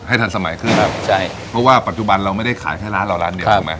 ให้ทันสมัยขึ้นเพราะว่าปัจจุบันเราไม่ได้ขายแค่ร้านเหล่าร้านเดิม